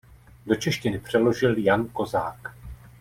Do češtiny přeložil Jan Kozák.